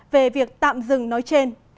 về việc tạm dừng nói trên